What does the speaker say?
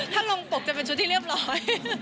ถ้าลงปกจะเป็นชุดที่เรียบร้อย